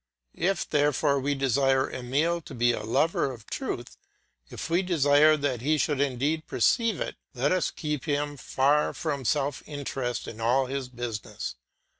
If therefore we desire Emile to be a lover of truth, if we desire that he should indeed perceive it, let us keep him far from self interest in all his business.